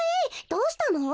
どうしたの？